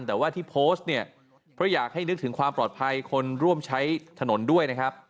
แต่ว่าที่โพสต์เนี่ยเพราะอยากให้นึกถึงความปลอดภัยคนร่วมใช้ถนนด้วยนะครับ